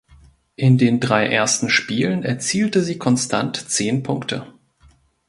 In den drei ersten Spielen erzielte sie konstant zehn Punkte.